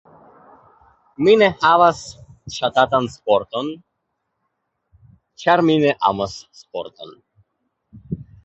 Mi ne havas ŝatatan sporton, ĉar mi ne amas sporton.